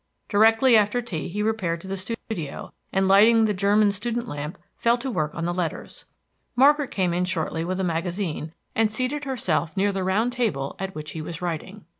Directly after tea he repaired to the studio, and, lighting the German student lamp, fell to work on the letters. Margaret came in shortly with a magazine, and seated herself near the round table at which he was writing.